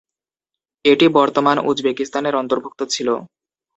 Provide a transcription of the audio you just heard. এটি বর্তমান উজবেকিস্তানের অন্তর্ভুক্ত ছিল।